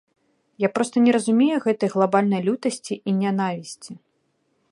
Я проста не разумею гэтай глабальнай лютасці і нянавісці.